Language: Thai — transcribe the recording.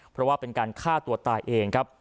เพราะว่าเป็นการฆ่าตัวตายเองครับ